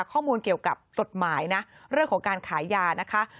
ข้อมูลเกี่ยวกับกฎหมายนะเรื่องของการขายยานะคะ